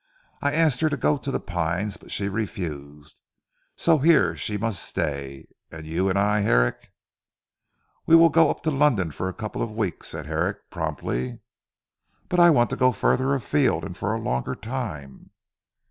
I asked her to go to 'The Pines' but she refused. So here she must stay, and you and I Herrick? " "We will go up to London for a couple of weeks," said Herrick promptly. "But I want to go further afield and for a longer time."